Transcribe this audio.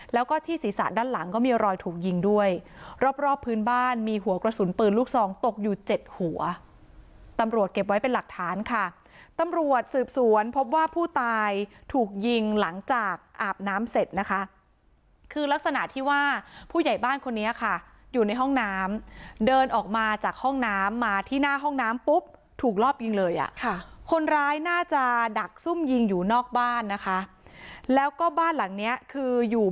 แล้วก็ที่ศีรษะด้านหลังก็มีรอยถูกยิงด้วยรอบพื้นบ้านมีหัวกระสุนปืนลูกซองตกอยู่๗หัวตำรวจเก็บไว้เป็นหลักฐานค่ะตำรวจสืบสวนพบว่าผู้ตายถูกยิงหลังจากอาบน้ำเสร็จนะคะคือลักษณะที่ว่าผู้ใหญ่บ้านคนนี้ค่ะอยู่ในห้องน้ำเดินออกมาจากห้องน้ำมาที่หน้าห้องน้ำปุ๊บถูกรอบยิงเลย